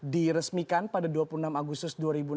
diresmikan pada dua puluh enam agustus